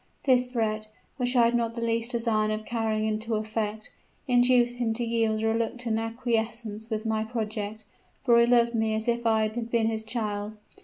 This threat, which I had not the least design of carrying into effect, induced him to yield a reluctant acquiescence with my project: for he loved me as if I had been his child.